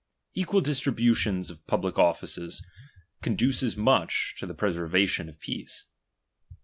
Equal distribu tions of public oflicea conduces much to the preservation of peace.